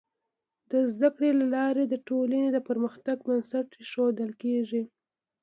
د زده کړې له لارې د ټولنې د پرمختګ بنسټ ایښودل کيږي.